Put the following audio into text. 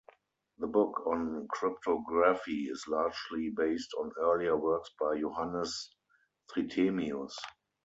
The book on cryptography is largely based on earlier works by Johannes Trithemius.